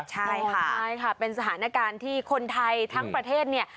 ใช่ค่ะใช่ค่ะเป็นสถานการณ์ที่คนไทยทั้งประเทศเนี่ย